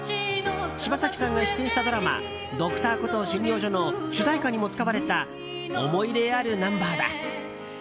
柴咲さんが出演したドラマ「Ｄｒ．コトー診療所」の主題歌にも使われた思い入れあるナンバーだ。